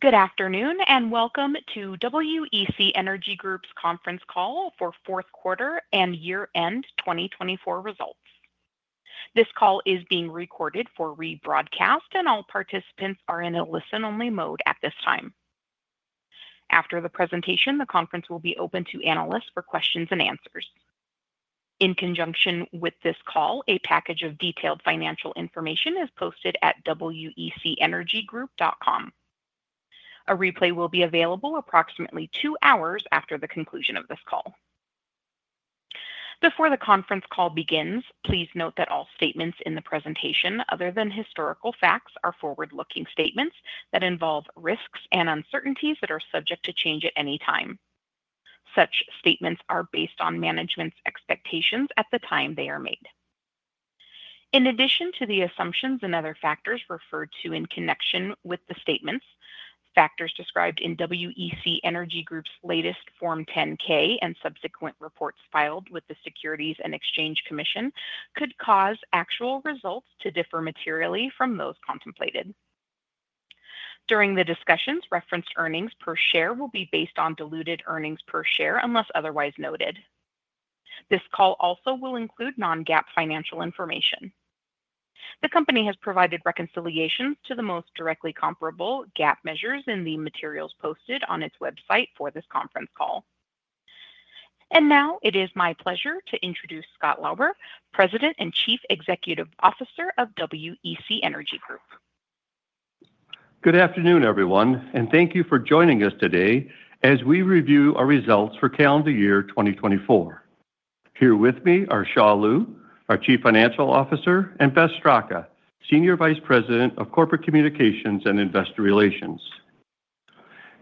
Good afternoon and welcome to WEC Energy Group's Conference Call for fourth quarter and year-end 2024 results. This call is being recorded for rebroadcast, and all participants are in a listen-only mode at this time. After the presentation, the conference will be open to analysts for questions and answers. In conjunction with this call, a package of detailed financial information is posted at wecenergygroup.com. A replay will be available approximately two hours after the conclusion of this call. Before the conference call begins, please note that all statements in the presentation, other than historical facts, are forward-looking statements that involve risks and uncertainties that are subject to change at any time. Such statements are based on management's expectations at the time they are made. In addition to the assumptions and other factors referred to in connection with the statements, factors described in WEC Energy Group's latest Form 10-K and subsequent reports filed with the Securities and Exchange Commission could cause actual results to differ materially from those contemplated. During the discussions, referenced earnings per share will be based on diluted earnings per share unless otherwise noted. This call also will include non-GAAP financial information. The company has provided reconciliations to the most directly comparable GAAP measures in the materials posted on its website for this conference call. Now it is my pleasure to introduce Scott Lauber, President and Chief Executive Officer of WEC Energy Group. Good afternoon, everyone, and thank you for joining us today as we review our results for calendar year 2024. Here with me are Xia Liu, our Chief Financial Officer, and Beth Straka, Senior Vice President of Corporate Communications and Investor Relations.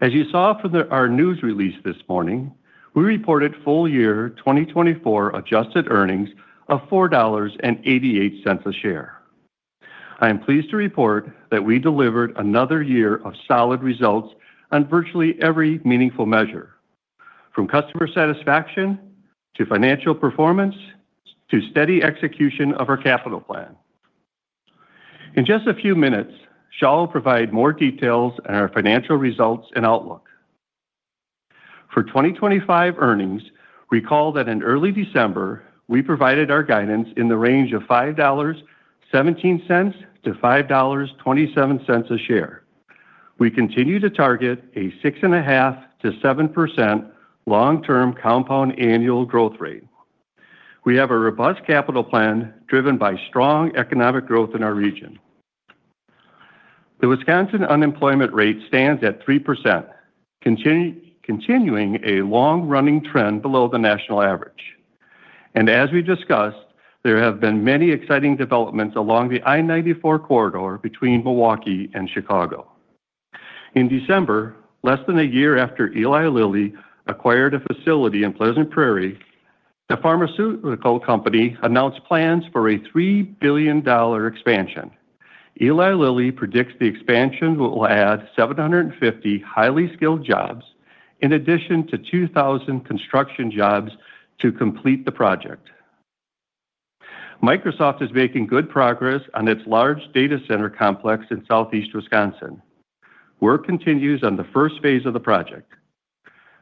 As you saw from our news release this morning, we reported full year 2024 adjusted earnings of $4.88 a share. I am pleased to report that we delivered another year of solid results on virtually every meaningful measure, from customer satisfaction to financial performance to steady execution of our capital plan. In just a few minutes, Xia will provide more details on our financial results and outlook. For 2025 earnings, recall that in early December we provided our guidance in the range of $5.17-$5.27 a share. We continue to target a 6.5%-7% long-term compound annual growth rate. We have a robust capital plan driven by strong economic growth in our region. The Wisconsin unemployment rate stands at 3%, continuing a long-running trend below the national average, and as we discussed, there have been many exciting developments along the I-94 corridor between Milwaukee and Chicago. In December, less than a year after Eli Lilly acquired a facility in Pleasant Prairie, the pharmaceutical company announced plans for a $3 billion expansion. Eli Lilly predicts the expansion will add 750 highly skilled jobs in addition to 2,000 construction jobs to complete the project. Microsoft is making good progress on its large data center complex in southeast Wisconsin. Work continues on the first phase of the project.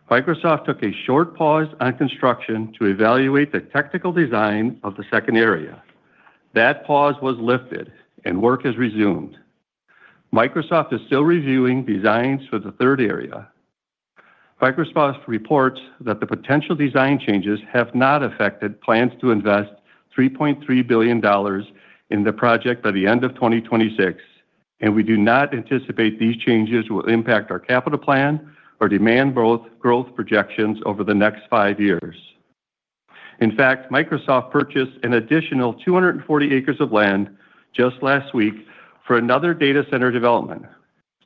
Microsoft took a short pause on construction to evaluate the technical design of the second area. That pause was lifted, and work has resumed. Microsoft is still reviewing designs for the third area. Microsoft reports that the potential design changes have not affected plans to invest $3.3 billion in the project by the end of 2026, and we do not anticipate these changes will impact our capital plan or demand growth projections over the next five years. In fact, Microsoft purchased an additional 240 acres of land just last week for another data center development.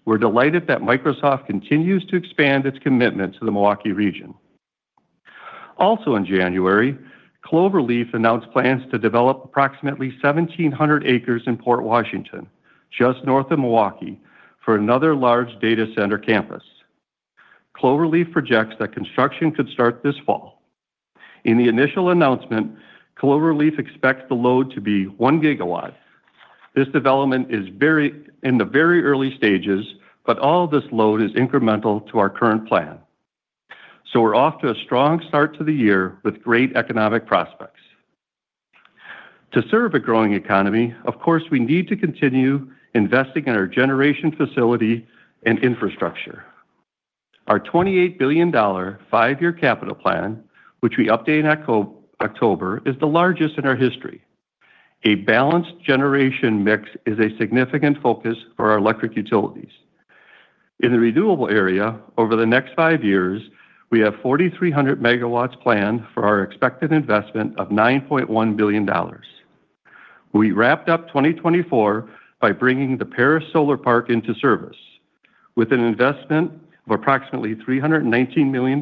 We're delighted that Microsoft continues to expand its commitment to the Milwaukee region. Also, in January, Cloverleaf announced plans to develop approximately 1,700 acres in Port Washington, just north of Milwaukee, for another large data center campus. Cloverleaf projects that construction could start this fall. In the initial announcement, Cloverleaf expects the load to be 1 GW. This development is in the very early stages, but all of this load is incremental to our current plan. We're off to a strong start to the year with great economic prospects. To serve a growing economy, of course, we need to continue investing in our generation facility and infrastructure. Our $28 billion five-year capital plan, which we update in October, is the largest in our history. A balanced generation mix is a significant focus for our electric utilities. In the renewable area, over the next five years, we have a 4,300 MW plan for our expected investment of $9.1 billion. We wrapped up 2024 by bringing the Paris Solar Park into service. With an investment of approximately $319 million,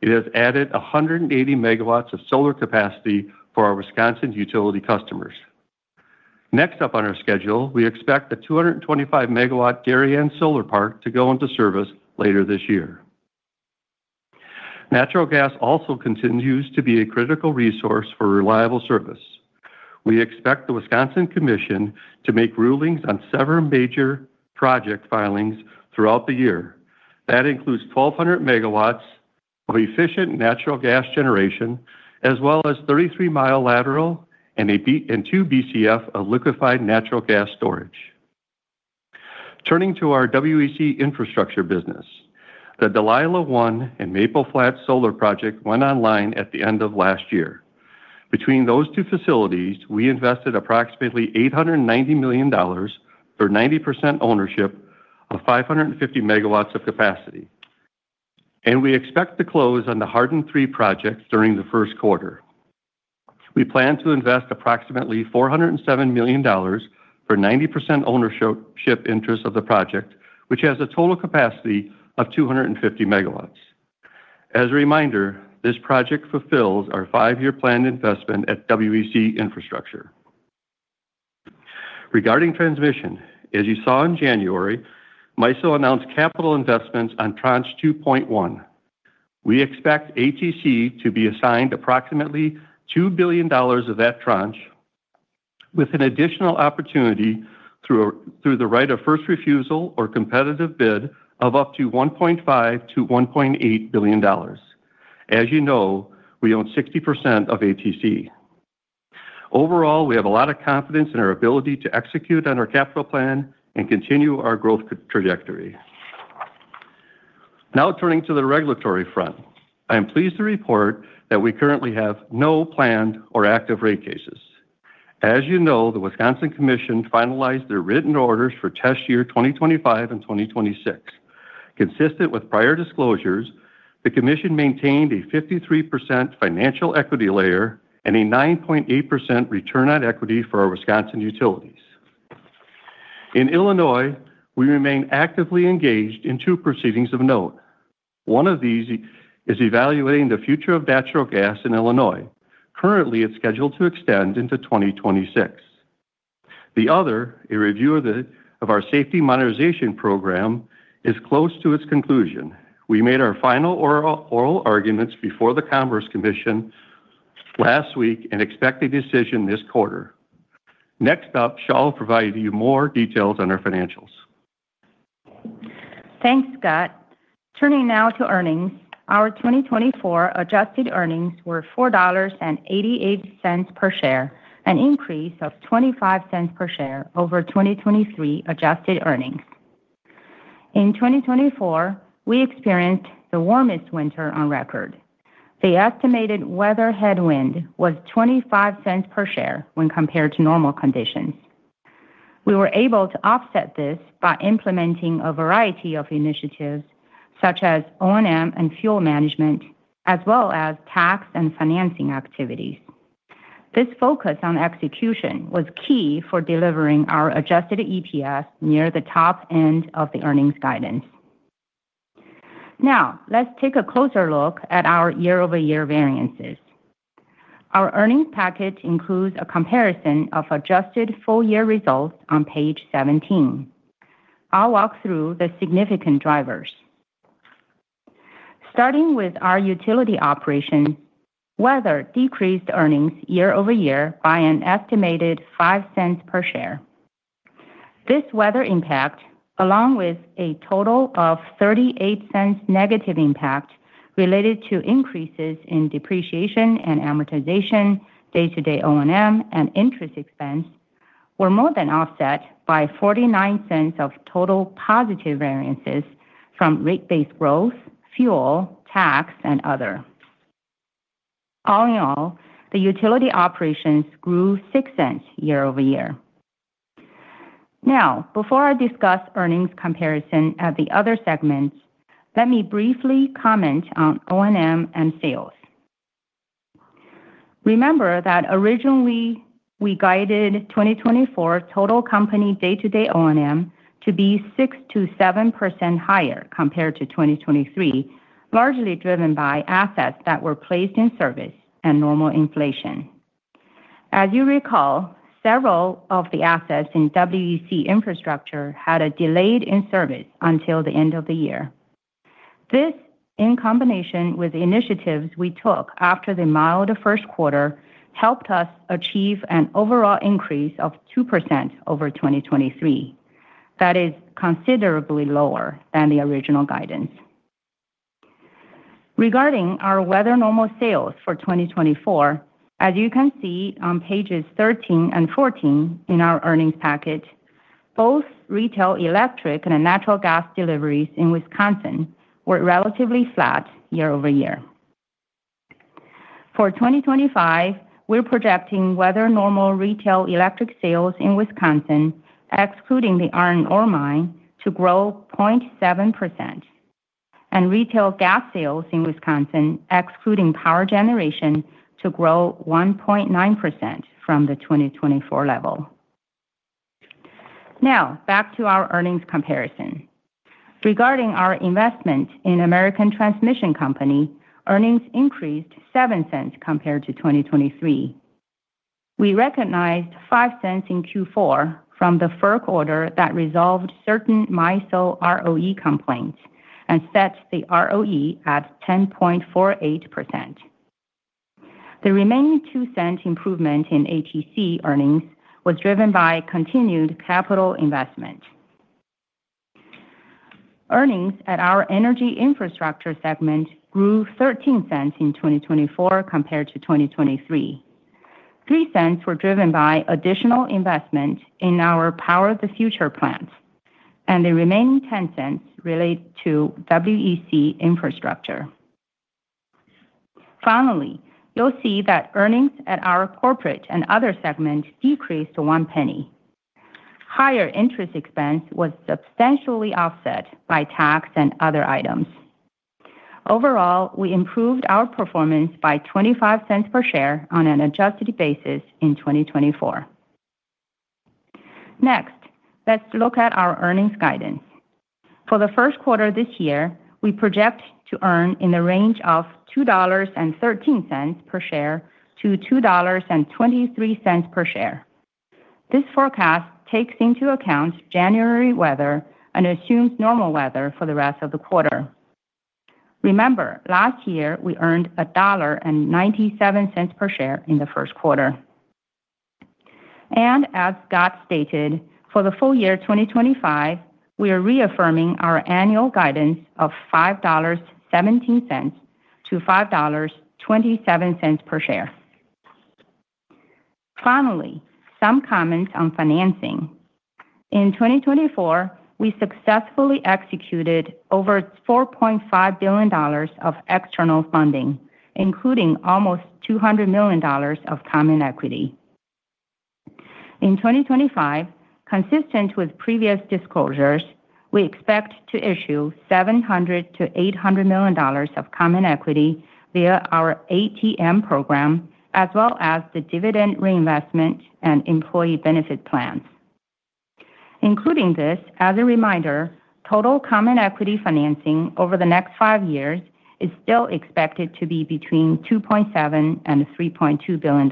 it has added 180 MW of solar capacity for our Wisconsin utility customers. Next up on our schedule, we expect the 225 MW Gale Klappa Solar Park to go into service later this year. Natural gas also continues to be a critical resource for reliable service. We expect the Wisconsin Commission to make rulings on several major project filings throughout the year. That includes 1,200 MW of efficient natural gas generation, as well as 33-mile lateral and two BCF of liquefied natural gas storage. Turning to our WEC Infrastructure business, the Delilah I and Maple Flats Solar Project went online at the end of last year. Between those two facilities, we invested approximately $890 million for 90% ownership of 550 MW of capacity. And we expect to close on the Hardin III project during the first quarter. We plan to invest approximately $407 million for 90% ownership interest of the project, which has a total capacity of 250 MW. As a reminder, this project fulfills our five-year planned investment at WEC Infrastructure. Regarding transmission, as you saw in January, MISO announced capital investments on Tranche 2.1. We expect ATC to be assigned approximately $2 billion of that tranche, with an additional opportunity through the right of first refusal or competitive bid of up to $1.5-$1.8 billion. As you know, we own 60% of ATC. Overall, we have a lot of confidence in our ability to execute on our capital plan and continue our growth trajectory. Now, turning to the regulatory front, I am pleased to report that we currently have no planned or active rate cases. As you know, the Wisconsin Commission finalized their written orders for test year 2025 and 2026. Consistent with prior disclosures, the Commission maintained a 53% financial equity layer and a 9.8% return on equity for our Wisconsin utilities. In Illinois, we remain actively engaged in two proceedings of note. One of these is evaluating the future of natural gas in Illinois. Currently, it's scheduled to extend into 2026. The other, a review of our Safety Modernization Program, is close to its conclusion. We made our final oral arguments before the Illinois Commerce Commission last week and expect a decision this quarter. Next up, Xia will provide you more details on our financials. Thanks, Scott. Turning now to earnings, our 2024 adjusted earnings were $4.88 per share, an increase of $0.25 per share over 2023 adjusted earnings. In 2024, we experienced the warmest winter on record. The estimated weather headwind was $0.25 per share when compared to normal conditions. We were able to offset this by implementing a variety of initiatives such as O&M and fuel management, as well as tax and financing activities. This focus on execution was key for delivering our adjusted EPS near the top end of the earnings guidance. Now, let's take a closer look at our year-over-year variances. Our earnings package includes a comparison of adjusted full-year results on page 17. I'll walk through the significant drivers. Starting with our utility operation, weather decreased earnings year-over-year by an estimated $0.05 per share. This weather impact, along with a total of $0.38 negative impact related to increases in depreciation and amortization, day-to-day O&M, and interest expense, were more than offset by $0.49 of total positive variances from rate base growth, fuel, tax, and other. All in all, the utility operations grew $0.06 year-over-year. Now, before I discuss earnings comparison at the other segments, let me briefly comment on O&M and sales. Remember that originally we guided 2024 total company day-to-day O&M to be 6%-7% higher compared to 2023, largely driven by assets that were placed in service and normal inflation. As you recall, several of the assets in WEC Infrastructure had a delayed in service until the end of the year. This, in combination with initiatives we took after the mild first quarter, helped us achieve an overall increase of 2% over 2023. That is considerably lower than the original guidance. Regarding our weather normal sales for 2024, as you can see on pages 13 and 14 in our earnings package, both retail electric and natural gas deliveries in Wisconsin were relatively flat year-over-year. For 2025, we're projecting weather normal retail electric sales in Wisconsin, excluding the iron ore mine, to grow 0.7%, and retail gas sales in Wisconsin, excluding power generation, to grow 1.9% from the 2024 level. Now, back to our earnings comparison. Regarding our investment in American Transmission Company, earnings increased $0.07 compared to 2023. We recognized $0.05 in Q4 from the FERC order that resolved certain MISO ROE complaints and set the ROE at 10.48%. The remaining $0.02 improvement in ATC earnings was driven by continued capital investment. Earnings at our energy infrastructure segment grew $0.13 in 2024 compared to 2023. $0.03 were driven by additional investment in our Power the Future plan, and the remaining $0.10 relate to WEC Infrastructure. Finally, you'll see that earnings at our corporate and other segment decreased to $0.01. Higher interest expense was substantially offset by tax and other items. Overall, we improved our performance by $0.25 per share on an adjusted basis in 2024. Next, let's look at our earnings guidance. For the first quarter this year, we project to earn in the range of $2.13-$2.23 per share. This forecast takes into account January weather and assumes normal weather for the rest of the quarter. Remember, last year we earned $1.97 per share in the first quarter, and as Scott stated, for the full year 2025, we are reaffirming our annual guidance of $5.17-$5.27 per share. Finally, some comments on financing. In 2024, we successfully executed over $4.5 billion of external funding, including almost $200 million of common equity. In 2025, consistent with previous disclosures, we expect to issue $700-$800 million of common equity via our ATM program, as well as the dividend reinvestment and employee benefit plans. Including this, as a reminder, total common equity financing over the next five years is still expected to be between $2.7 and $3.2 billion.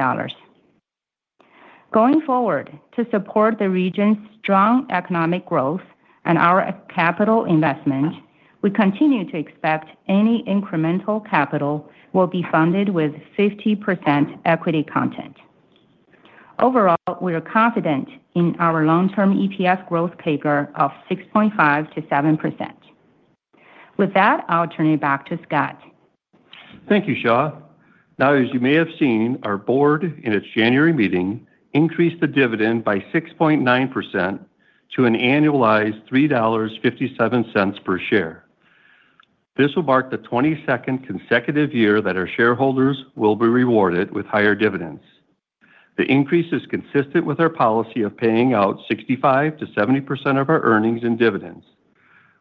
Going forward, to support the region's strong economic growth and our capital investment, we continue to expect any incremental capital will be funded with 50% equity content. Overall, we are confident in our long-term EPS growth figure of 6.5%-7%. With that, I'll turn it back to Scott. Thank you, Xia. Now, as you may have seen, our board in its January meeting increased the dividend by 6.9% to an annualized $3.57 per share. This will mark the 22nd consecutive year that our shareholders will be rewarded with higher dividends. The increase is consistent with our policy of paying out 65%-70% of our earnings in dividends.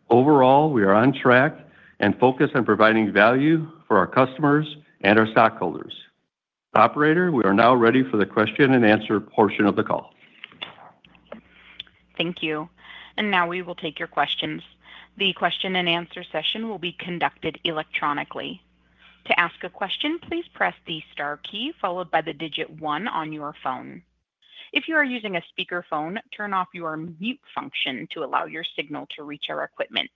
Overall, we are on track and focused on providing value for our customers and our stockholders. Operator, we are now ready for the question and answer portion of the call. Thank you. And now we will take your questions. The question and answer session will be conducted electronically. To ask a question, please press the star key followed by the digit one on your phone. If you are using a speakerphone, turn off your mute function to allow your signal to reach our equipment.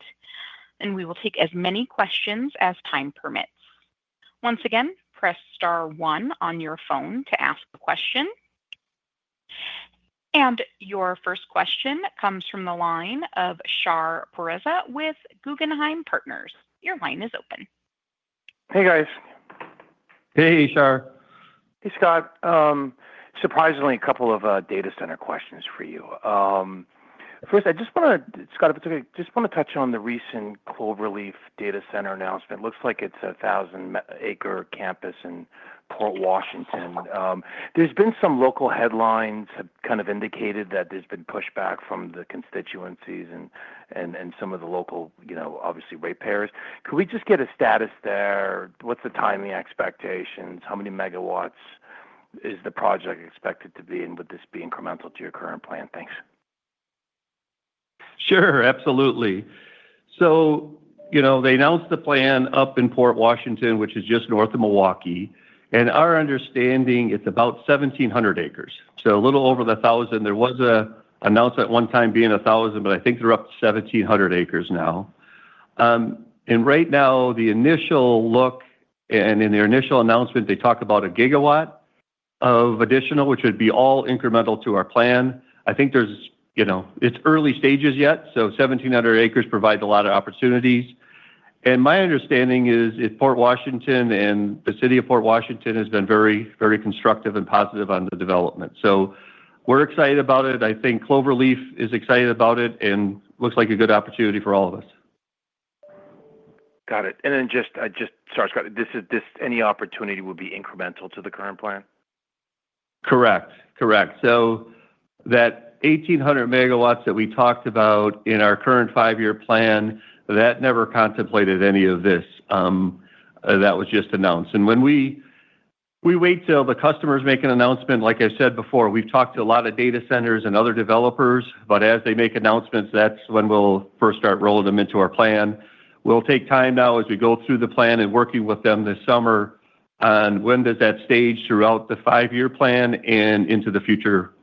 And we will take as many questions as time permits. Once again, press star one on your phone to ask a question. And your first question comes from the line of Shar Pourreza with Guggenheim Partners. Your line is open. Hey, guys. Hey, Shar. Hey, Scott. Surprisingly, a couple of data center questions for you. First, I just want to, Scott, if it's okay, just want to touch on the recent Cloverleaf data center announcement. It looks like it's a 1,000-acre campus in Port Washington. There's been some local headlines that have kind of indicated that there's been pushback from the constituencies and some of the local, obviously, ratepayers. Could we just get a status there? What's the timing expectations? How many megawatts is the project expected to be? And would this be incremental to your current plan? Thanks. Sure. Absolutely. So they announced the plan up in Port Washington, which is just north of Milwaukee, and our understanding, it's about 1,700 acres, so a little over the 1,000. There was an announcement at one time being 1,000, but I think they're up to 1,700 acres now. And right now, the initial look and in their initial announcement, they talk about a gigawatt of additional, which would be all incremental to our plan. I think it's early stages yet. So 1,700 acres provides a lot of opportunities. And my understanding is it's Port Washington, and the city of Port Washington has been very, very constructive and positive on the development. So we're excited about it. I think Cloverleaf is excited about it and looks like a good opportunity for all of us. Got it. And then just, sorry, Scott, any opportunity would be incremental to the current plan? Correct. Correct. So that 1,800 MW that we talked about in our current five-year plan, that never contemplated any of this. That was just announced. And we wait till the customer's making an announcement. Like I said before, we've talked to a lot of data centers and other developers, but as they make announcements, that's when we'll first start rolling them into our plan. We'll take time now as we go through the plan and working with them this summer on when does that stage throughout the five-year plan and into the future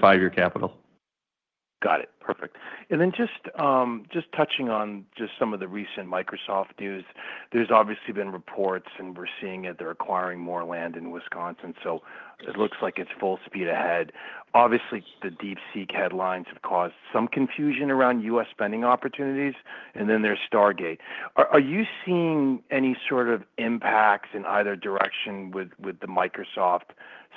five-year capital. Got it. Perfect. And then just touching on just some of the recent Microsoft news, there's obviously been reports, and we're seeing it. They're acquiring more land in Wisconsin. So it looks like it's full speed ahead. Obviously, the DeepSeek headlines have caused some confusion around U.S. spending opportunities. And then there's Stargate. Are you seeing any sort of impacts in either direction with the Microsoft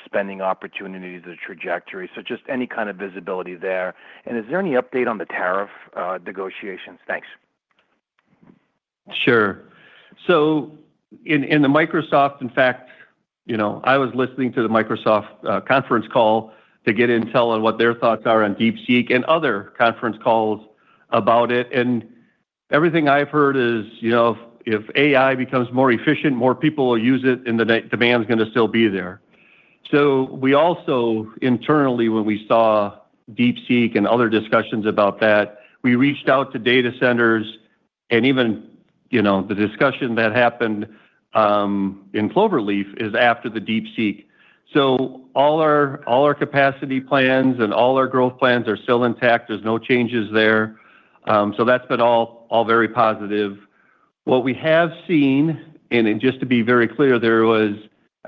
spending opportunities, the trajectory? So just any kind of visibility there. And is there any update on the tariff negotiations? Thanks. Sure. So in the Microsoft, in fact, I was listening to the Microsoft conference call to get intel on what their thoughts are on DeepSeek and other conference calls about it. Everything I've heard is if AI becomes more efficient, more people will use it, and the demand's going to still be there. We also, internally, when we saw DeepSeek and other discussions about that, we reached out to data centers. Even the discussion that happened in Cloverleaf is after the DeepSeek. All our capacity plans and all our growth plans are still intact. There's no changes there. That's been all very positive. What we have seen, and just to be very clear, there was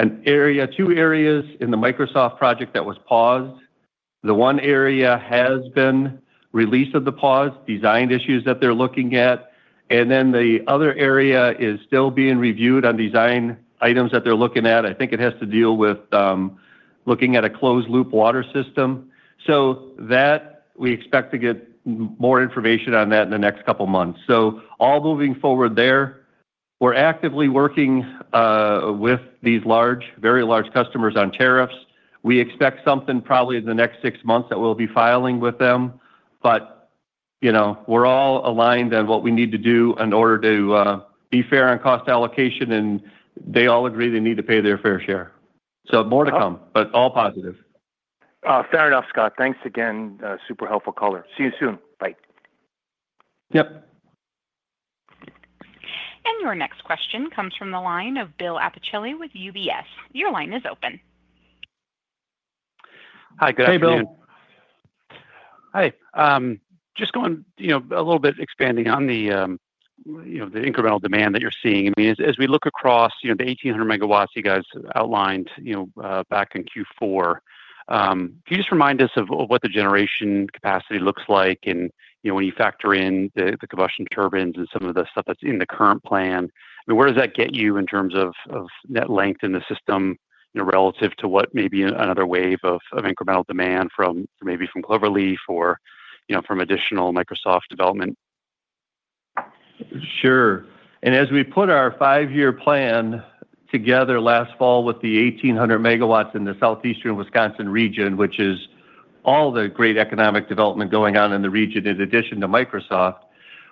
two areas in the Microsoft project that was paused. The one area has been release of the pause, design issues that they're looking at. And then the other area is still being reviewed on design items that they're looking at. I think it has to deal with looking at a closed-loop water system. So we expect to get more information on that in the next couple of months. So all moving forward there, we're actively working with these large, very large customers on tariffs. We expect something probably in the next six months that we'll be filing with them. But we're all aligned on what we need to do in order to be fair on cost allocation. And they all agree they need to pay their fair share. So more to come, but all positive. Fair enough, Scott. Thanks again. Super helpful caller. See you soon. Bye. Yep. Your next question comes from the line of Bill Appicelli with UBS. Your line is open. Hi. Good afternoon. Hey, Bill. Hi. Just going a little bit expanding on the incremental demand that you're seeing. I mean, as we look across the 1,800 MW you guys outlined back in Q4, can you just remind us of what the generation capacity looks like? And when you factor in the combustion turbines and some of the stuff that's in the current plan, I mean, where does that get you in terms of net load in the system relative to what may be another wave of incremental demand from maybe Cloverleaf or from additional Microsoft development? Sure. And as we put our five-year plan together last fall with the 1,800 MW in the southeastern Wisconsin region, which is all the great economic development going on in the region in addition to Microsoft,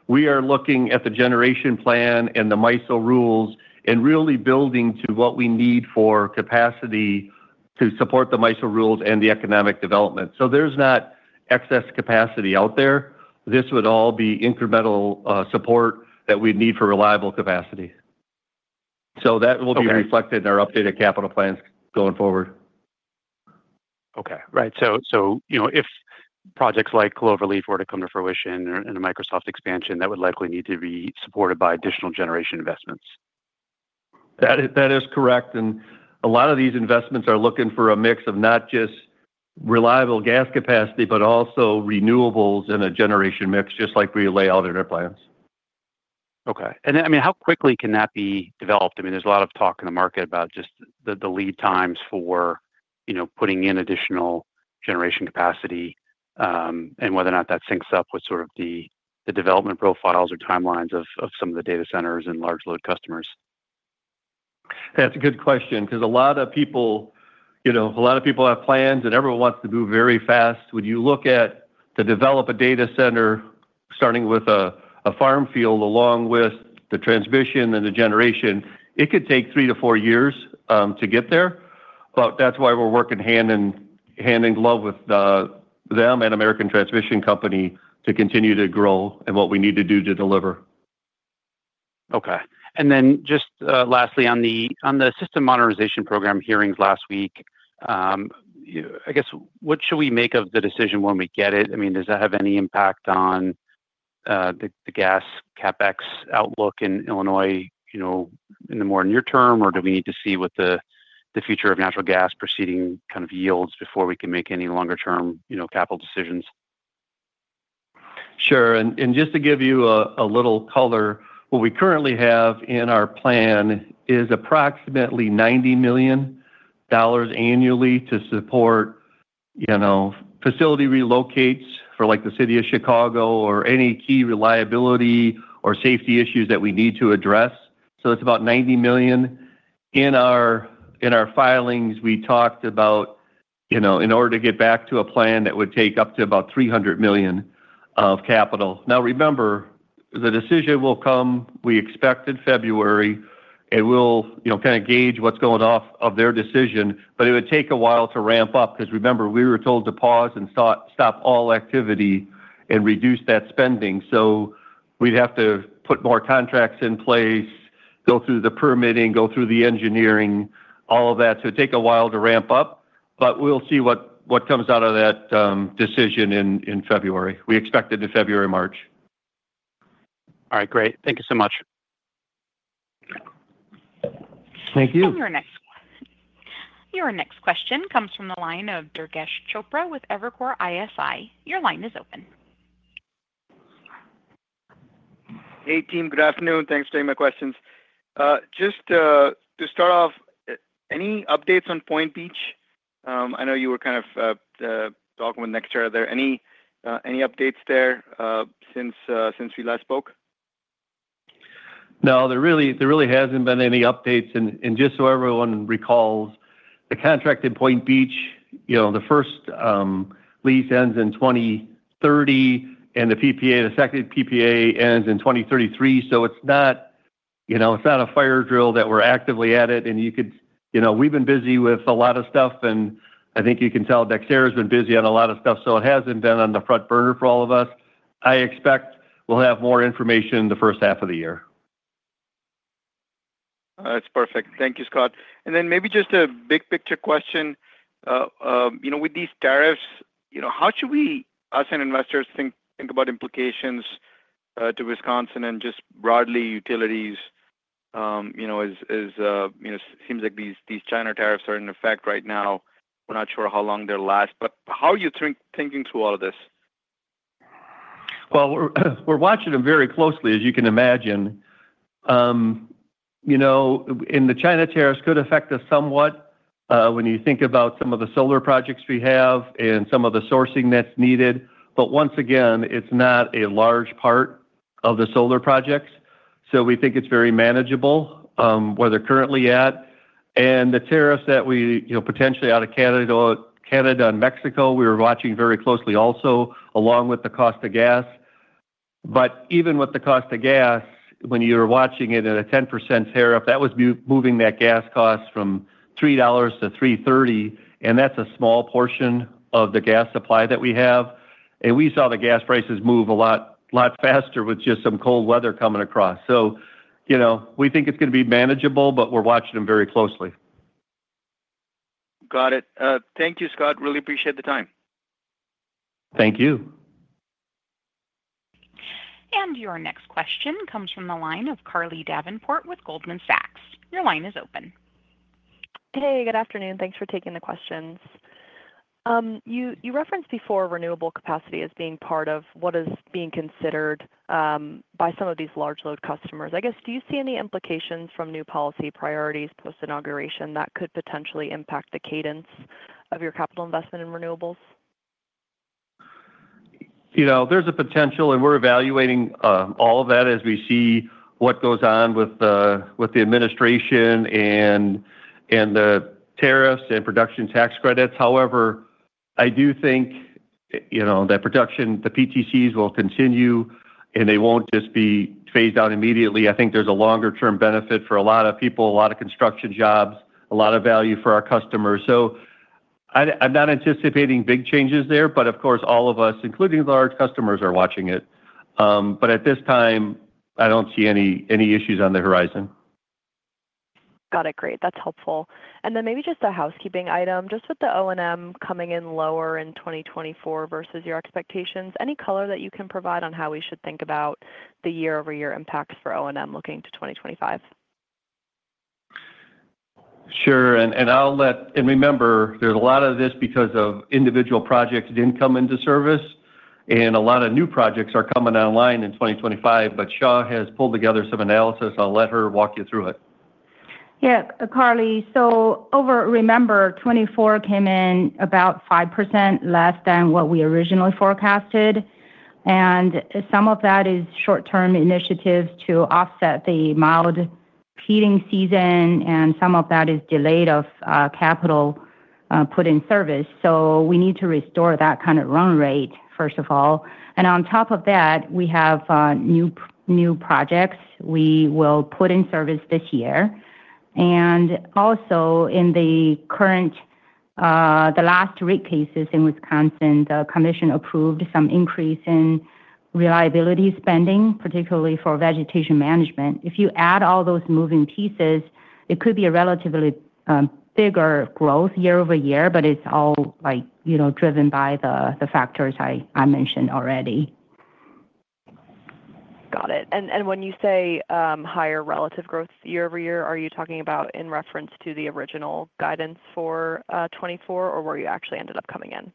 we are looking at the generation plan and the MISO rules and really building to what we need for capacity to support the MISO rules and the economic development. So there's not excess capacity out there. This would all be incremental support that we need for reliable capacity. So that will be reflected in our updated capital plans going forward. Okay. Right. So if projects like Cloverleaf were to come to fruition and a Microsoft expansion, that would likely need to be supported by additional generation investments. That is correct, and a lot of these investments are looking for a mix of not just reliable gas capacity, but also renewables and a generation mix, just like we lay out in our plans. Okay. And I mean, how quickly can that be developed? I mean, there's a lot of talk in the market about just the lead times for putting in additional generation capacity and whether or not that syncs up with sort of the development profiles or timelines of some of the data centers and large load customers. That's a good question because a lot of people, a lot of people have plans, and everyone wants to move very fast. When you look at to develop a data center starting with a farm field along with the transmission and the generation, it could take three to four years to get there. But that's why we're working hand in glove with them and American Transmission Company to continue to grow and what we need to do to deliver. Okay, and then just lastly, on the System Modernization Program hearings last week, I guess, what should we make of the decision when we get it? I mean, does that have any impact on the gas CapEx outlook in Illinois in the more near term, or do we need to see what the future of natural gas preceding kind of yields before we can make any longer-term capital decisions? Sure. And just to give you a little color, what we currently have in our plan is approximately $90 million annually to support facility relocates for the City of Chicago or any key reliability or safety issues that we need to address. So it's about $90 million. In our filings, we talked about in order to get back to a plan that would take up to about $300 million of capital. Now, remember, the decision will come. We expect in February. And we'll kind of gauge what's going off of their decision. But it would take a while to ramp up because, remember, we were told to pause and stop all activity and reduce that spending. So we'd have to put more contracts in place, go through the permitting, go through the engineering, all of that. So it'd take a while to ramp up. We'll see what comes out of that decision in February. We expect it in February, March. All right. Great. Thank you so much. Thank you. Your next question comes from the line of Durgesh Chopra with Evercore ISI. Your line is open. Hey, team. Good afternoon. Thanks for taking my questions. Just to start off, any updates on Point Beach? I know you were kind of talking with NextEra. Are there any updates there since we last spoke? No, there really hasn't been any updates, and just so everyone recalls, the contract in Point Beach, the first lease ends in 2030, and the second PPA ends in 2033, so it's not a fire drill that we're actively at it, and we've been busy with a lot of stuff, and I think you can tell NextEra has been busy on a lot of stuff, so it hasn't been on the front burner for all of us. I expect we'll have more information in the first half of the year. That's perfect. Thank you, Scott. And then maybe just a big picture question. With these tariffs, how should we, us and investors, think about implications to Wisconsin and just broadly utilities? It seems like these China tariffs are in effect right now. We're not sure how long they'll last. But how are you thinking through all of this? We're watching them very closely, as you can imagine. The China tariffs could affect us somewhat when you think about some of the solar projects we have and some of the sourcing that's needed. Once again, it's not a large part of the solar projects. We think it's very manageable where they're currently at. The potential tariffs out of Canada and Mexico, we were watching very closely also, along with the cost of gas. Even with the cost of gas, when you're watching it at a 10% tariff, that was moving that gas cost from $3-$3.30. That's a small portion of the gas supply that we have. We saw the gas prices move a lot faster with just some cold weather coming across. We think it's going to be manageable, but we're watching them very closely. Got it. Thank you, Scott. Really appreciate the time. Thank you. Your next question comes from the line of Carly Davenport with Goldman Sachs. Your line is open. Hey, good afternoon. Thanks for taking the questions. You referenced before renewable capacity as being part of what is being considered by some of these large load customers. I guess, do you see any implications from new policy priorities post-inauguration that could potentially impact the cadence of your capital investment in renewables? There's a potential, and we're evaluating all of that as we see what goes on with the administration and the tariffs and production tax credits. However, I do think that production, the PTCs will continue, and they won't just be phased out immediately. I think there's a longer-term benefit for a lot of people, a lot of construction jobs, a lot of value for our customers. So I'm not anticipating big changes there. But of course, all of us, including large customers, are watching it. But at this time, I don't see any issues on the horizon. Got it. Great. That's helpful. And then maybe just a housekeeping item. Just with the O&M coming in lower in 2024 versus your expectations, any color that you can provide on how we should think about the year-over-year impacts for O&M looking to 2025? Sure. And remember, there's a lot of this because of individual projects didn't come into service. And a lot of new projects are coming online in 2025. But Xia has pulled together some analysis. I'll let her walk you through it. Yeah. Carly, so overall, remember, 2024 came in about 5% less than what we originally forecasted. And some of that is short-term initiatives to offset the mild heating season. And some of that is delays of capital put in service. So we need to restore that kind of run rate, first of all. And on top of that, we have new projects we will put in service this year. And also, in the last rate cases in Wisconsin, the Commission approved some increase in reliability spending, particularly for vegetation management. If you add all those moving pieces, it could be a relatively bigger growth year over year, but it's all driven by the factors I mentioned already. Got it. And when you say higher relative growth year-over-year, are you talking about in reference to the original guidance for 2024, or where you actually ended up coming in?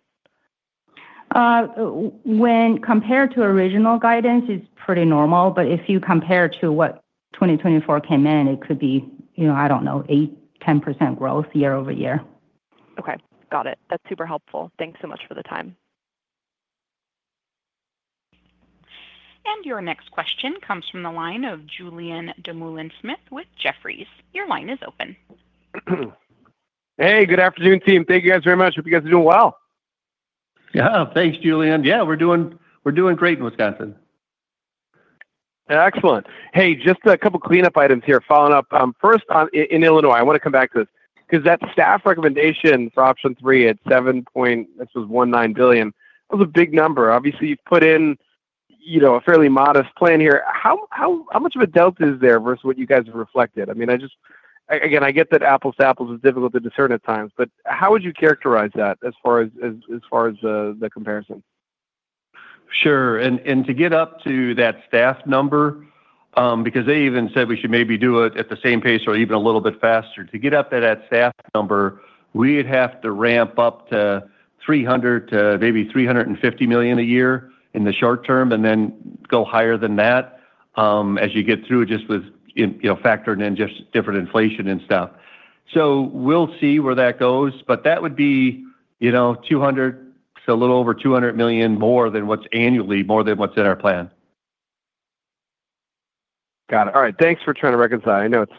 When compared to original guidance, it's pretty normal. But if you compare to what 2024 came in, it could be, I don't know, 8%-10% growth year-over-year. Okay. Got it. That's super helpful. Thanks so much for the time. Your next question comes from the line of Julien Dumoulin-Smith with Jefferies. Your line is open. Hey, good afternoon, team. Thank you guys very much. Hope you guys are doing well. Yeah. Thanks, Julian. Yeah, we're doing great in Wisconsin. Excellent. Hey, just a couple of cleanup items here following up. First, in Illinois, I want to come back to this because that staff recommendation for option three at $7.19 billion, that was a big number. Obviously, you've put in a fairly modest plan here. How much of a delta is there versus what you guys have reflected? I mean, again, I get that apples to apples is difficult to discern at times. But how would you characterize that as far as the comparison? Sure. And to get up to that staff number, because they even said we should maybe do it at the same pace or even a little bit faster. To get up to that staff number, we'd have to ramp up to maybe $350 million a year in the short term and then go higher than that as you get through just with factoring in just different inflation and stuff. So we'll see where that goes. But that would be a little over $200 million more than what's annually, more than what's in our plan. Got it. All right. Thanks for trying to reconcile. I know it's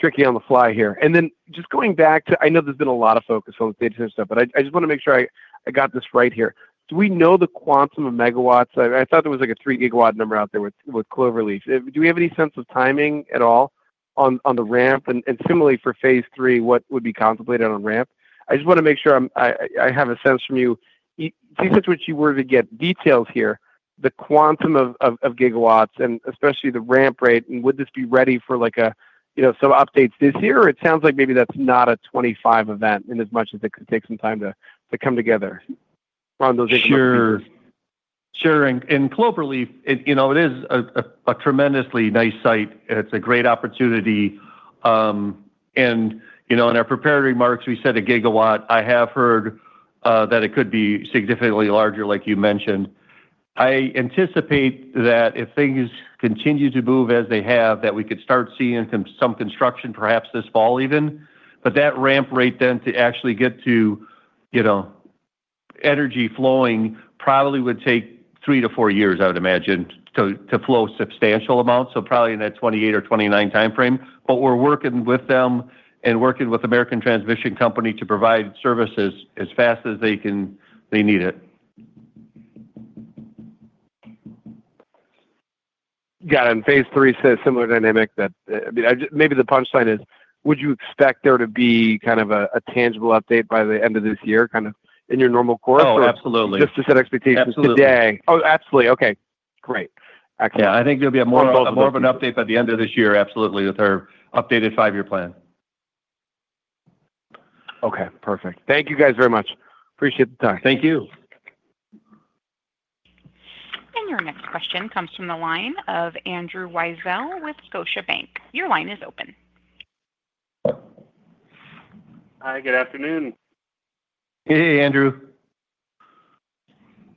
tricky on the fly here. And then just going back to, I know there's been a lot of focus on the data center stuff, but I just want to make sure I got this right here. Do we know the quantum of megawatts? I thought there was a 3 GW number out there with Cloverleaf. Do we have any sense of timing at all on the ramp? And similarly, for phase three, what would be contemplated on ramp? I just want to make sure I have a sense from you. Based on what you were to get details here, the quantum of gigawatts and especially the ramp rate, and would this be ready for some updates this year? Or it sounds like maybe that's not a 2025 event in as much as it could take some time to come together on those increments. Sure. Sure. And Cloverleaf, it is a tremendously nice site. It's a great opportunity. And in our preparatory remarks, we said a gigawatt. I have heard that it could be significantly larger, like you mentioned. I anticipate that if things continue to move as they have, that we could start seeing some construction, perhaps this fall even. But that ramp rate then to actually get to energy flowing probably would take three to four years, I would imagine, to flow substantial amounts. So probably in that 2028 or 2029 timeframe. But we're working with them and working with American Transmission Company to provide services as fast as they need it. Got it. And phase three says similar dynamic that maybe the punchline is, would you expect there to be kind of a tangible update by the end of this year kind of in your normal course? Oh, absolutely. Just to set expectations today? Oh, absolutely. Okay. Great. Excellent. Yeah. I think there'll be more of an update by the end of this year, absolutely, with our updated five-year plan. Okay. Perfect. Thank you guys very much. Appreciate the time. Thank you. Your next question comes from the line of Andrew Weisel with Scotiabank. Your line is open. Hi. Good afternoon. Hey, Andrew.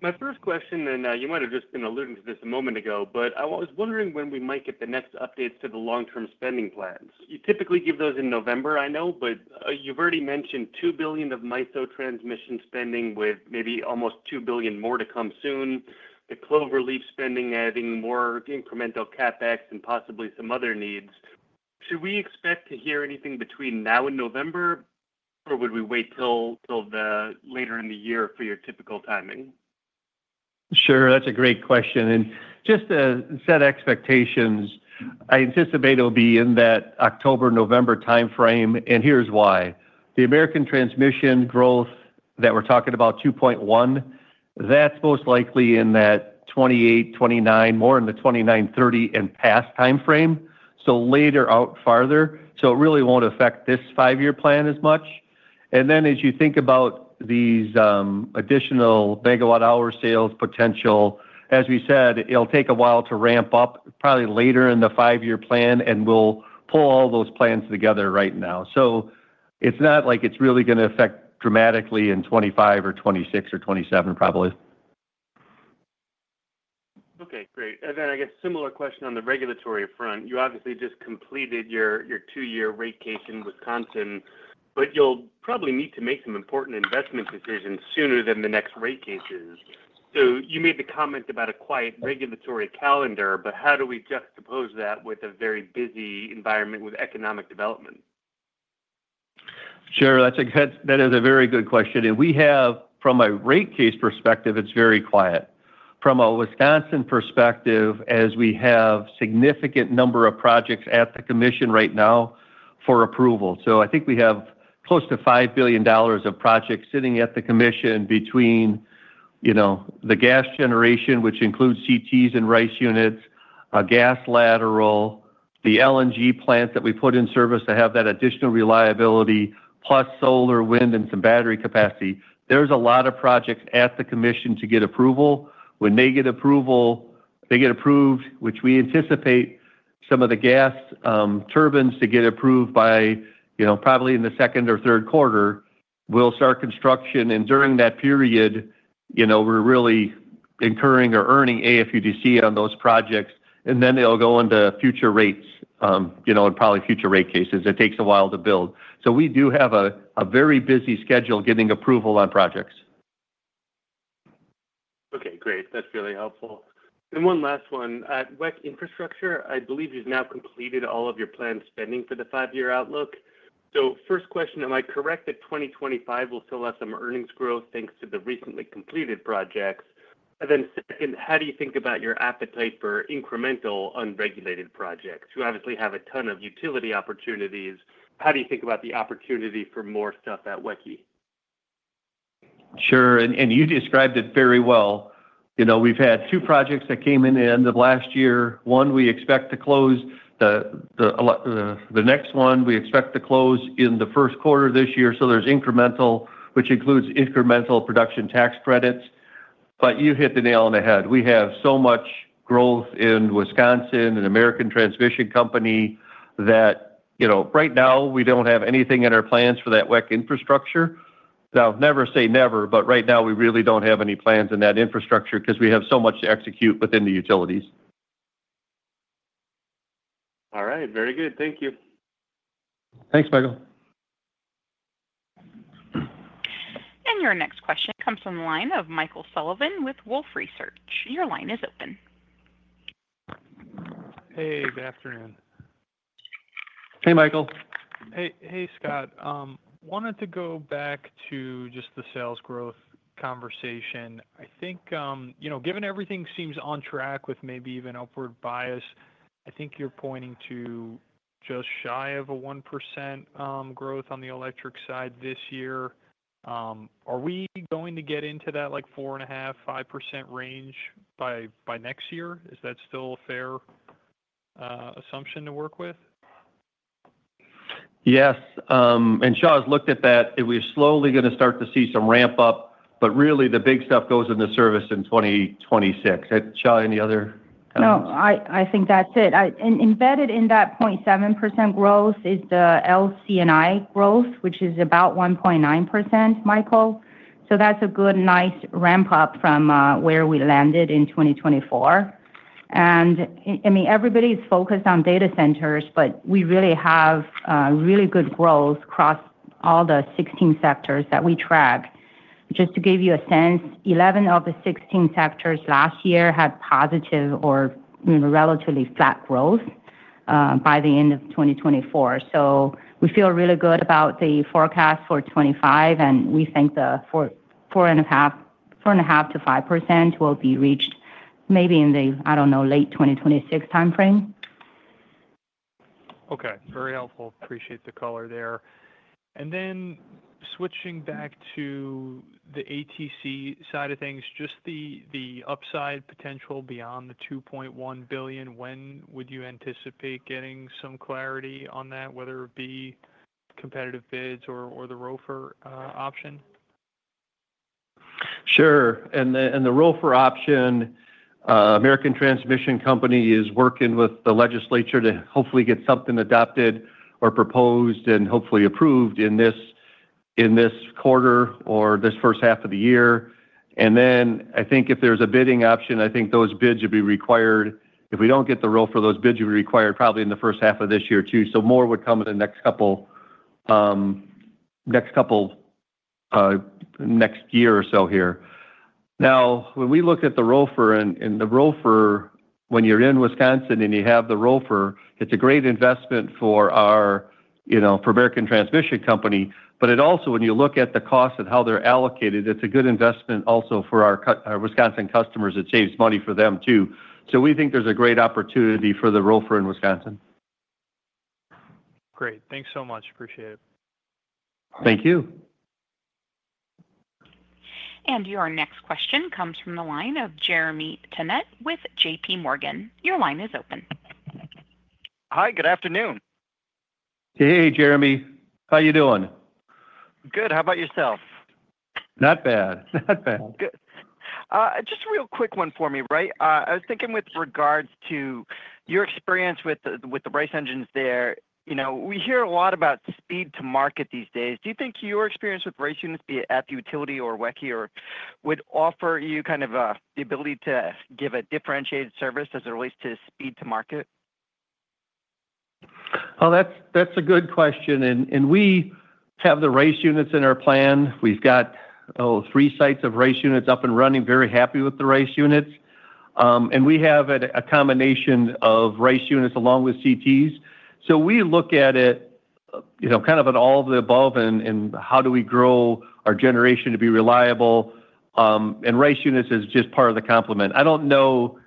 My first question, and you might have just been alluding to this a moment ago, but I was wondering when we might get the next updates to the long-term spending plans. You typically give those in November, I know. But you've already mentioned $2 billion of MISO transmission spending with maybe almost $2 billion more to come soon, the Cloverleaf spending adding more incremental CapEx and possibly some other needs. Should we expect to hear anything between now and November, or would we wait till later in the year for your typical timing? Sure. That's a great question, and just to set expectations, I anticipate it'll be in that October-November timeframe. And here's why. The American transmission growth that we're talking about, 2.1, that's most likely in that 2028, 2029, more in the 2029, 2030, and past timeframe. So later out farther. So it really won't affect this five-year plan as much. And then as you think about these additional megawatt-hour sales potential, as we said, it'll take a while to ramp up, probably later in the five-year plan. And we'll pull all those plans together right now. So it's not like it's really going to affect dramatically in 2025 or 2026 or 2027, probably. Okay. Great. And then I guess similar question on the regulatory front. You obviously just completed your two-year rate case in Wisconsin, but you'll probably need to make some important investment decisions sooner than the next rate case is. So you made the comment about a quiet regulatory calendar, but how do we juxtapose that with a very busy environment with economic development? Sure. That is a very good question. And from a rate case perspective, it's very quiet. From a Wisconsin perspective, as we have a significant number of projects at the commission right now for approval. So I think we have close to $5 billion of projects sitting at the commission between the gas generation, which includes CTs and RICE units, a gas lateral, the LNG plant that we put in service to have that additional reliability, plus solar, wind, and some battery capacity. There's a lot of projects at the commission to get approval. When they get approval, they get approved, which we anticipate some of the gas turbines to get approved by probably in the second or third quarter. We'll start construction. And during that period, we're really incurring or earning AFUDC on those projects. And then they'll go into future rates and probably future rate cases. It takes a while to build, so we do have a very busy schedule getting approval on projects. Okay. Great. That's really helpful. And one last one. At WEC Infrastructure, I believe you've now completed all of your planned spending for the five-year outlook. So first question, am I correct that 2025 will still have some earnings growth thanks to the recently completed projects? And then second, how do you think about your appetite for incremental unregulated projects? You obviously have a ton of utility opportunities. How do you think about the opportunity for more stuff at WECI? Sure, and you described it very well. We've had two projects that came in at the end of last year. One we expect to close. The next one we expect to close in the first quarter of this year, so there's incremental, which includes incremental production tax credits. But you hit the nail on the head. We have so much growth in Wisconsin and American Transmission Company that right now we don't have anything in our plans for that WEC Infrastructure. Now, never say never, but right now we really don't have any plans in that infrastructure because we have so much to execute within the utilities. All right. Very good. Thank you. Thanks, Andrew. Your next question comes from the line of Michael Sullivan with Wolfe Research. Your line is open. Hey, good afternoon. Hey, Michael. Hey, Scott. Wanted to go back to just the sales growth conversation. I think given everything seems on track with maybe even upward bias, I think you're pointing to just shy of a 1% growth on the electric side this year. Are we going to get into that 4.5%-5% range by next year? Is that still a fair assumption to work with? Yes. And Xia has looked at that. We're slowly going to start to see some ramp up. But really, the big stuff goes into service in 2026. Xia, any other comments? No. I think that's it. Embedded in that 0.7% growth is the LC&I growth, which is about 1.9%, Michael. So that's a good, nice ramp up from where we landed in 2024. And I mean, everybody's focused on data centers, but we really have really good growth across all the 16 sectors that we track. Just to give you a sense, 11 of the 16 sectors last year had positive or relatively flat growth by the end of 2024. So we feel really good about the forecast for 2025. And we think the 4.5%-5% will be reached maybe in the, I don't know, late 2026 timeframe. Okay. Very helpful. Appreciate the color there. And then switching back to the ATC side of things, just the upside potential beyond the $2.1 billion, when would you anticipate getting some clarity on that, whether it be competitive bids or the ROFR option? Sure. And the ROFR option, American Transmission Company is working with the legislature to hopefully get something adopted or proposed and hopefully approved in this quarter or this first half of the year. And then I think if there's a bidding option, I think those bids would be required. If we don't get the ROFR, those bids would be required probably in the first half of this year too. So more would come in the next couple next year or so here. Now, when we looked at the ROFR, and the ROFR, when you're in Wisconsin and you have the ROFR, it's a great investment for American Transmission Company. But also, when you look at the cost and how they're allocated, it's a good investment also for our Wisconsin customers. It saves money for them too. So we think there's a great opportunity for the ROFR in Wisconsin. Great. Thanks so much. Appreciate it. Thank you. And your next question comes from the line of Jeremy Tonet with JPMorgan. Your line is open. Hi. Good afternoon. Hey, Jeremy. How are you doing? Good. How about yourself? Not bad. Not bad. Good. Just a real quick one for me, right? I was thinking with regards to your experience with the RICE engines there. We hear a lot about speed to market these days. Do you think your experience with RICE units at the utility or WECI would offer you kind of the ability to give a differentiated service as it relates to speed to market? Oh, that's a good question. And we have the RICE units in our plan. We've got three sites of RICE units up and running, very happy with the RICE units. And we have a combination of RICE units along with CTs. So we look at it kind of at all of the above and how do we grow our generation to be reliable. And RICE units is just part of the complement. I don't know.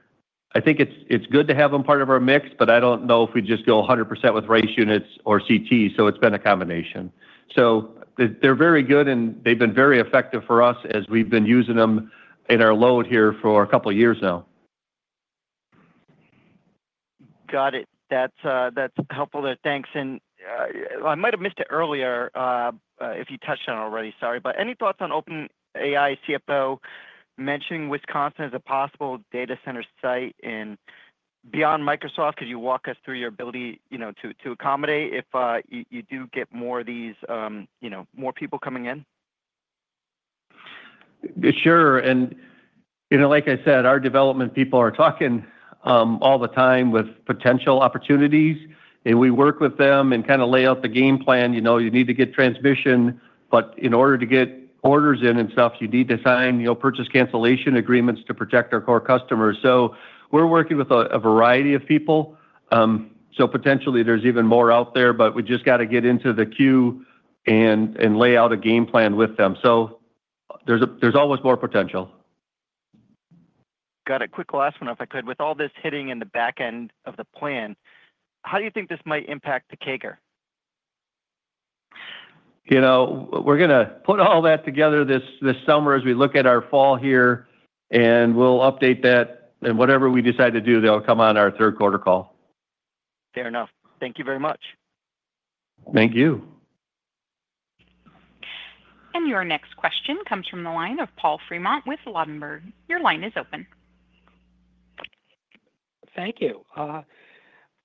I think it's good to have them part of our mix, but I don't know if we just go 100% with RICE units or CTs. So it's been a combination. So they're very good, and they've been very effective for us as we've been using them in our load here for a couple of years now. Got it. That's helpful there. Thanks. And I might have missed it earlier if you touched on it already. Sorry. But any thoughts on OpenAI CFO mentioning Wisconsin as a possible data center site and beyond Microsoft? Could you walk us through your ability to accommodate if you do get more of these more people coming in? Sure, and like I said, our development people are talking all the time with potential opportunities. And we work with them and kind of lay out the game plan. You need to get transmission. But in order to get orders in and stuff, you need to sign power purchase agreements to protect our core customers. So we're working with a variety of people. So potentially, there's even more out there, but we just got to get into the queue and lay out a game plan with them. So there's always more potential. Got it. Quick last one, if I could. With all this hitting in the back end of the plan, how do you think this might impact the CAGR? We're going to put all that together this summer as we look at our fall here. And we'll update that. And whatever we decide to do, they'll come on our third-quarter call. Fair enough. Thank you very much. Thank you. Your next question comes from the line of Paul Fremont with Ladenburg. Your line is open. Thank you.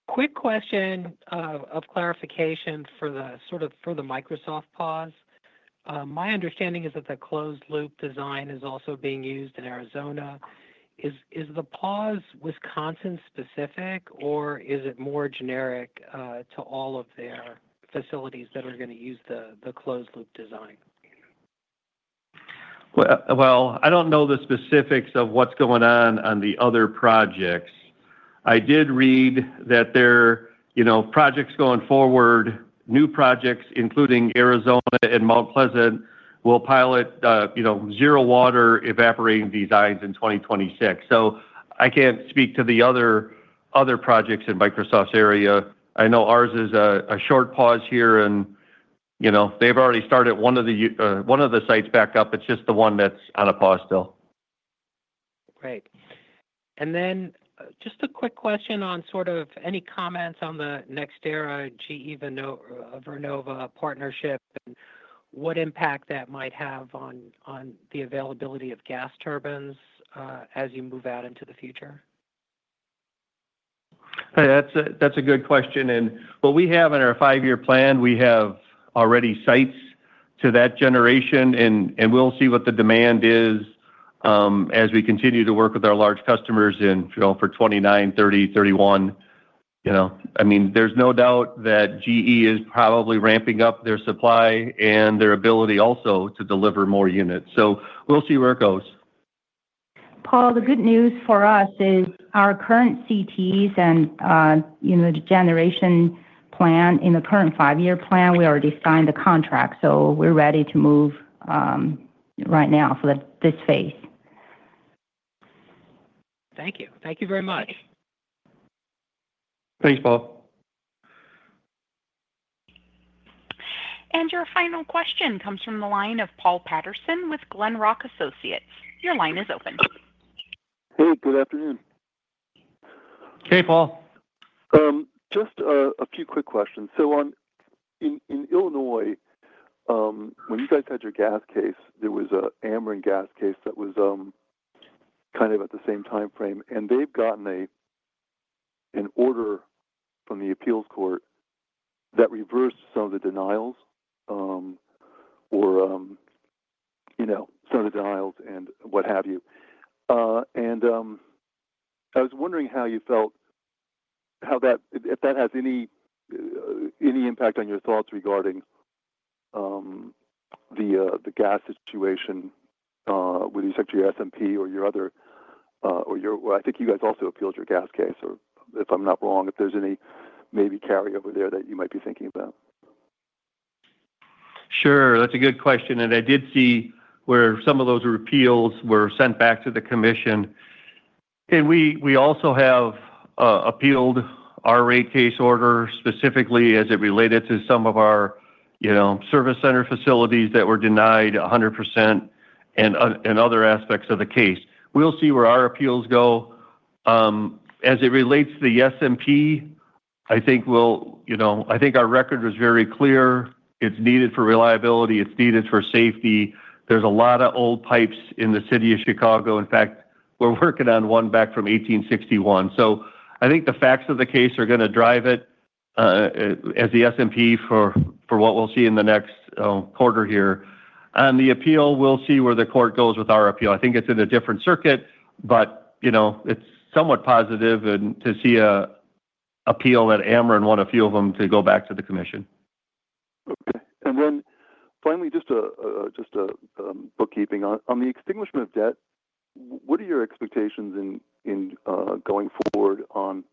Quick question of clarification for the Microsoft pause. My understanding is that the closed-loop design is also being used in Arizona. Is the pause Wisconsin-specific, or is it more generic to all of their facilities that are going to use the closed-loop design? I don't know the specifics of what's going on the other projects. I did read that there are projects going forward, new projects, including Arizona and Mount Pleasant. We'll pilot zero-water evaporating designs in 2026. I can't speak to the other projects in Microsoft's area. I know ours is a short pause here. They've already started one of the sites back up. It's just the one that's on a pause still. Great. And then just a quick question on sort of any comments on the NextEra GE Vernova partnership and what impact that might have on the availability of gas turbines as you move out into the future? That's a good question. What we have in our five-year plan, we have already sized to that generation. We'll see what the demand is as we continue to work with our large customers for 2029, 2030, 2031. I mean, there's no doubt that GE is probably ramping up their supply and their ability also to deliver more units. We'll see where it goes. Paul, the good news for us is our current CTs and the generation plan in the current five-year plan. We already signed the contract. So we're ready to move right now for this phase. Thank you. Thank you very much. Thanks, Paul. And your final question comes from the line of Paul Patterson with Glenrock Associates. Your line is open. Hey, good afternoon. Hey, Paul. Just a few quick questions. In Illinois, when you guys had your gas case, there was an Ameren gas case that was kind of at the same timeframe. They have gotten an order from the appeals court that reversed some of the denials and what have you. I was wondering how you felt if that has any impact on your thoughts regarding the gas situation with respect to your SMP or your other. I think you guys also appealed your gas case, if I'm not wrong. If there's any maybe carryover there that you might be thinking about. Sure. That's a good question. And I did see where some of those appeals were sent back to the commission. And we also have appealed our rate case order specifically as it related to some of our service center facilities that were denied 100% and other aspects of the case. We'll see where our appeals go. As it relates to the SMP, I think our record was very clear. It's needed for reliability. It's needed for safety. There's a lot of old pipes in the city of Chicago. In fact, we're working on one back from 1861. So I think the facts of the case are going to drive it as the SMP for what we'll see in the next quarter here. On the appeal, we'll see where the court goes with our appeal. I think it's in a different circuit, but it's somewhat positive to see an appeal that Ameren wanted a few of them to go back to the commission. Okay. And then finally, just a bookkeeping. On the extinguishment of debt, what are your expectations going forward on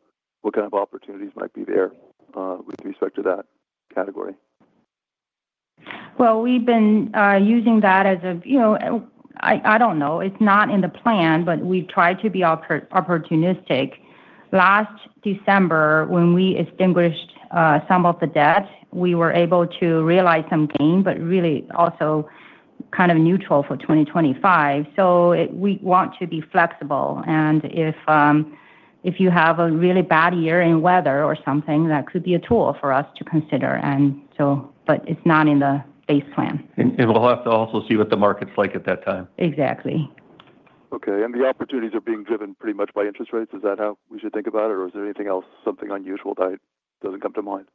what kind of opportunities might be there with respect to that category? Well, we've been using that as, I don't know. It's not in the plan, but we've tried to be opportunistic. Last December, when we extinguished some of the debt, we were able to realize some gain, but really also kind of neutral for 2025. So we want to be flexible. And if you have a really bad year in weather or something, that could be a tool for us to consider. But it's not in the base plan. We'll have to also see what the market's like at that time. Exactly. Okay. And the opportunities are being driven pretty much by interest rates. Is that how we should think about it? Or is there anything else, something unusual that doesn't come to mind?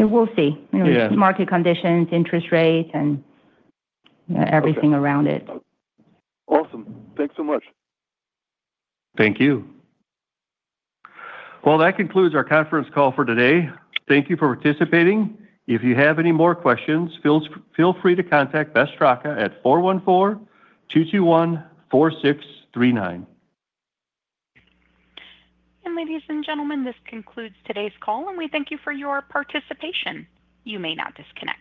We'll see. Market conditions, interest rates, and everything around it. Awesome. Thanks so much. Thank you. Well, that concludes our conference call for today. Thank you for participating. If you have any more questions, feel free to contact Beth Straka at 414-221-4639. Ladies and gentlemen, this concludes today's call. We thank you for your participation. You may now disconnect.